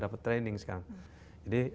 dapat training sekarang jadi